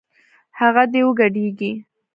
هغه دې وګډېږي